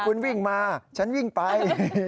คุณวิ่งมาฉันวิ่งไป